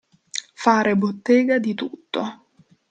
Fare bottega di tutto.